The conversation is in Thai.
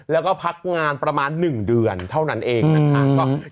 แล้วก็พักงานประมาณ๑เดือนเท่านั้นเองนะคะ